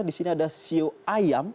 di sini ada siu ayam